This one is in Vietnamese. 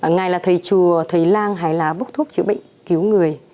ngài là thầy chùa thầy lan hải lá bốc thuốc chữa bệnh cứu người